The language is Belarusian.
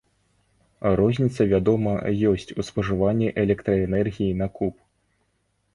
Розніца, вядома, ёсць у спажыванні электраэнергіі на куб.